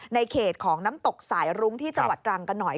ในเขตของน้ำตกสายรุ้งที่จังหวัดตรังกันหน่อย